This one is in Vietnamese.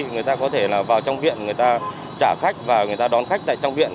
người ta có thể là vào trong viện người ta trả khách và người ta đón khách tại trong viện